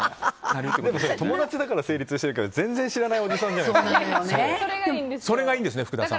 友達だから成立してるけど全然知らないおじさんじゃないですか。